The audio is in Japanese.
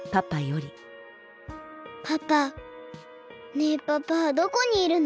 ねえパパはどこにいるの？